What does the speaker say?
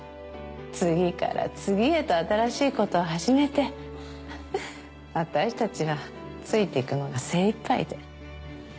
次から次へと新しいことを始めて私たちはついて行くのが精一杯で。